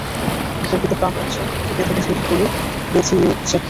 বুকের ভিতরে টান পড়ছে, থেকে থেকে শিরগুলো ব্যথিয়ে উঠছে।